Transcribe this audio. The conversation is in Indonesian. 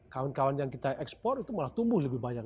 kawan kawan yang kita ekspor itu malah tumbuh lebih banyak